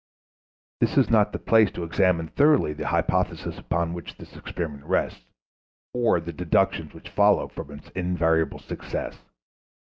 This is not the place to examine thoroughly the hypothesis upon which this experiment rests, or the deductions which follow from its invariable success.